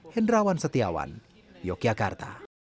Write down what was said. hendrawan setiawan yogyakarta